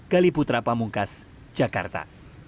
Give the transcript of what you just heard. gali putra pamungkas jakarta